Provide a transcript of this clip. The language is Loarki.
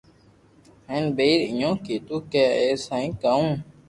ھين ٻئير اينو ڪيدو ڪو اي سائين ڪاو